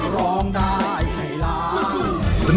ร้องได้ให้ล้าน